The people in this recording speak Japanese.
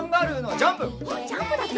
ジャンプだって。